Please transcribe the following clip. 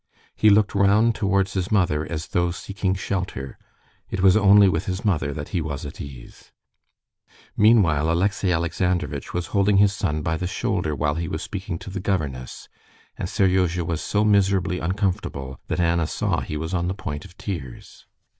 He looked round towards his mother as though seeking shelter. It was only with his mother that he was at ease. Meanwhile, Alexey Alexandrovitch was holding his son by the shoulder while he was speaking to the governess, and Seryozha was so miserably uncomfortable that Anna saw he was on the point of tears.